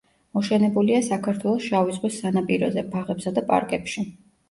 მოშენებულია საქართველოს შავი ზღვის სანაპიროზე ბაღებსა და პარკებში.